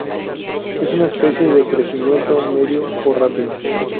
Es una especie de crecimiento medio o rápido.